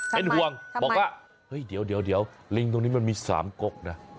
เป็นห่วงบอกว่าเฮ้ยเดี๋ยวลิงตรงนี้มันมี๓กกนะ